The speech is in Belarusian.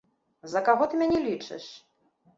За каго ты мяне лічыш?